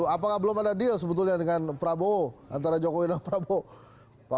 apakah belum ada deal sebetulnya dengan prabowo antara jokowi dan prabowo